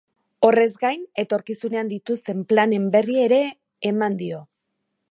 Horrez gain, etorkizunean dituzten planen berri ere eman dio.